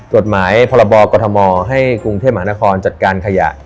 กฎหมายพรบกรทมให้กรุงเทพมหานครจัดการขยะ